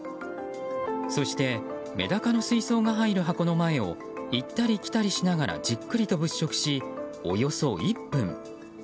そして、メダカの水槽が入る箱の前を行ったり来たりしながらじっくりと物色し、およそ１分。